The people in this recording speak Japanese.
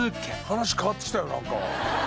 話変わってきたよなんか。